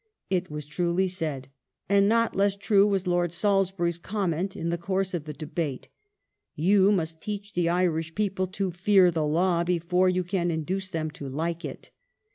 ^ It was truly said, and not less true was Lord Salisbury's comment in the course of the debate :" You must teach the Irish people to fear the law before you can induce them to like it".